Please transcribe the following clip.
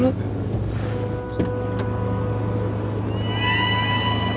sss tumben banget sopan